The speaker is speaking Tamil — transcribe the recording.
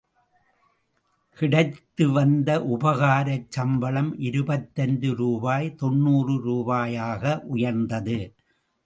கிடைத்து வந்த உபகாரச் சம்பளம் இருபத்தைந்து ரூபாய் தொண்ணூறு ரூபாயாக உயர்ந்தது.